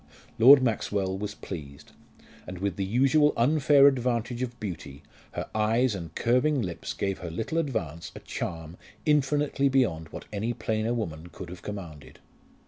Lord Maxwell was pleased; and with the usual unfair advantage of beauty her eyes and curving lips gave her little advance a charm infinitely beyond what any plainer woman could have commanded.